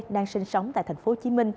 đang sinh sống tại tp hcm